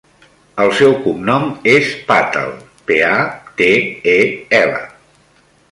El seu cognom és Patel: pe, a, te, e, ela.